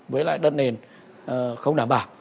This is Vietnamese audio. với lại đất nền không đảm bảo